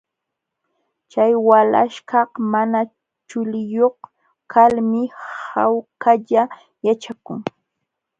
Chay walaśhkaq mana chuliyuq kalmi hawkalla yaćhakun.